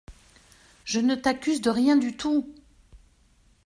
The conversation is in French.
Je ne t’accuse de rien du tout !